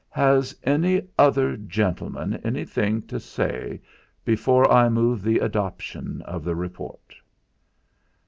"Has any other gentleman anything to say before I move the adoption of the report?"